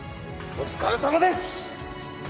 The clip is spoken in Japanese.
お疲れさまです！